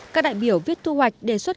các đại biểu viết thu hoạch đề xuất